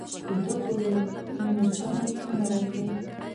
ګلداد وویل: نو له چا نه یې کمه راکړې.